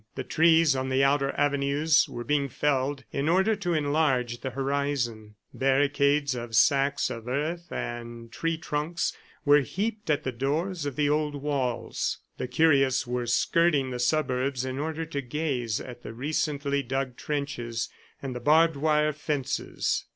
The trees on the outer avenues were being felled in order to enlarge the horizon. Barricades of sacks of earth and tree trunks were heaped at the doors of the old walls. The curious were skirting the suburbs in order to gaze at the recently dug trenches and the barbed wire fences.